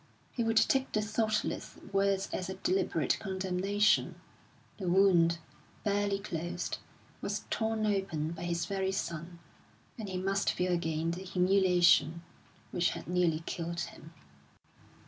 He would take the thoughtless words as a deliberate condemnation; the wound, barely closed, was torn open by his very son, and he must feel again the humiliation which had nearly killed him.